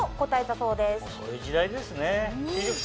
そういう時代ですね。